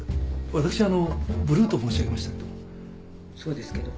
私ブルーと申し上げましたけど。